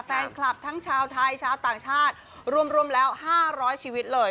แฟนคลับทั้งชาวไทยชาวต่างชาติรวมแล้ว๕๐๐ชีวิตเลย